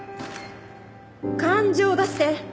感情を出して。